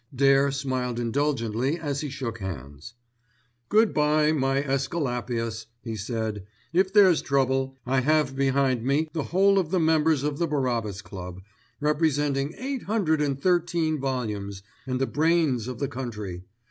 Dare smiled indulgently as he shook hands. "Good bye, my Æsculapius," he said. "If there's trouble, I have behind me the whole of the members of the Barabbas Club, representing eight hundred and thirteen volumes, and the brains of the country.